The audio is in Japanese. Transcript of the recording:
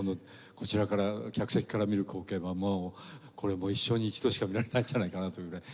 こちらから客席から見る光景はもうこれ一生に一度しか見られないんじゃないかなというぐらい。